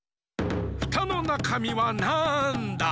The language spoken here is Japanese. フタのなかみはなんだ？